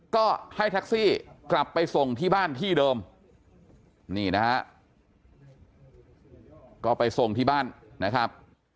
ก็ให้แท็กซี่กลับไปส่งที่บ้านที่เดิมนี่นะฮะก็ไปส่งที่บ้านนะครับ